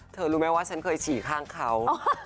รู้ไหมว่าฉันเคยฉี่ข้างเขา